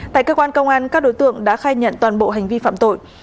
tại cơ quan công an các đối tượng đã khai nhận toàn bộ hành vi phạm tội